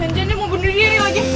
janjiannya mau bunuh dia yuk aja